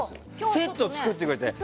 セット作ってくれて。